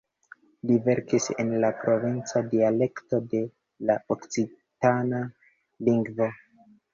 Li verkis en la provenca dialekto de la okcitana lingvo.